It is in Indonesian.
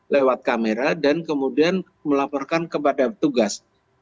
lewat kamera dan kemudian melaporkan kepada petugas